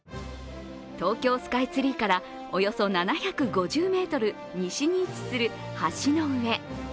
東京スカイツリーからおよそ７５０ｍ西に位置する橋の上。